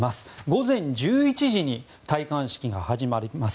午前１１時に戴冠式が始まります。